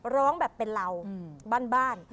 ร้องแบบเป็นเราบ้าน